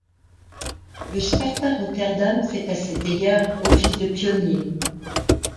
Le Sparta Rotterdam fait à cet égard office de pionnier.